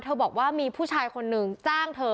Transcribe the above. บอกว่ามีผู้ชายคนนึงจ้างเธอ